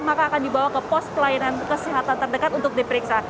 maka akan dibawa ke pos pelayanan kesehatan terdekat untuk diperiksa